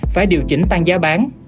phải điều chỉnh tăng giá bán